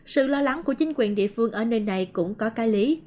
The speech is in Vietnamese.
sự lo lắng của chính quyền địa phương ở nơi này cũng có cái lý